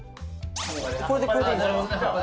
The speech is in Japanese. これでこれでいいんですか？